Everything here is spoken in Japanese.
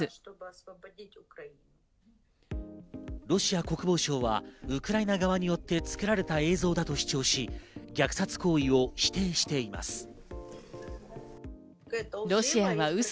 ロシア国防省はウクライナ側によって作られた映像だと主張し、虐殺行為を否定しています。